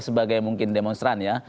sebagai mungkin demonstran ya